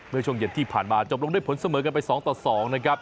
เมื่อช่วงเย็นที่ผ่านมาจบลงด้วยพลเสมอกันไปสองต่อสอง